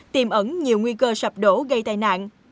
tiềm ẩn nhiều nguy cơ sập đổ gây tai nạn